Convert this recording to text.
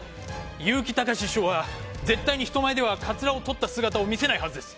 結城たかし師匠は絶対に人前ではカツラを取った姿を見せないはずです。